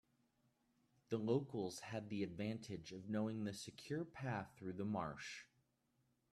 The locals had the advantage of knowing the secure path through the marsh.